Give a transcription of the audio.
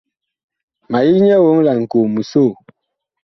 Ma yig nyɛ woŋ laŋkoo, ma mu soo.